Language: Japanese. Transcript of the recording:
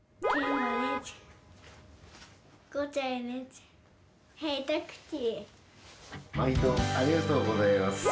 まいどありがとうございます。